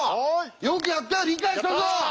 よくやったよ理解したぞ！